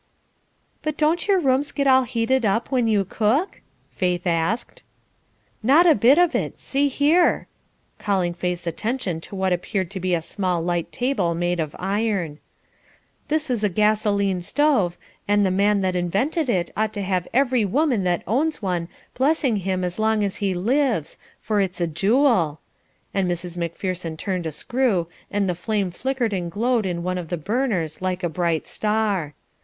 "But don't your rooms get all heated up when you cook?" Faith asked. "Not a bit of it! See here" calling Faith's attention to what appeared to be a small light table made of iron. "This is a gasoline stove, and the man that invented it ought to have every woman that owns one blessing him as long as he lives, for it's a jewel," and Mrs. Macpherson turned a screw and the flame flickered and glowed in one of the burners like a bright star.